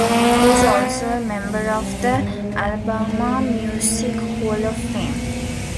He is also a member of the Alabama Music Hall of Fame.